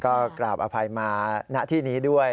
ก็กราบอภัยมาณที่นี้ด้วย